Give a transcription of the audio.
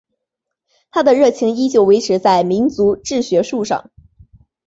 他的热情依旧维持在民族志学术上。